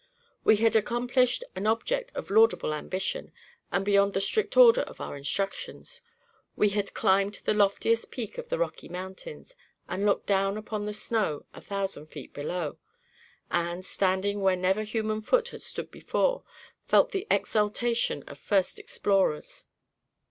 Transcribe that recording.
We had accomplished an object of laudable ambition, and beyond the strict order of our instructions. We had climbed the loftiest peak of the Rocky Mountains, and looked down upon the snow a thousand feet below, and, standing where never human foot had stood before, felt the exultation of first explorers.